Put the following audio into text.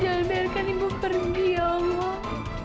jangan biarkan ibu pergi ya allah